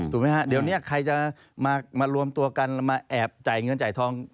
ถูกหรือไม่ฮะใครจะมารวมตัวกันมาแอบจ่ายเงินจ่ายทอง